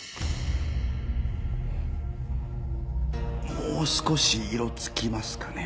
もう少し色付きますかね？